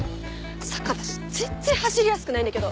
坂だし全然走りやすくないんだけど。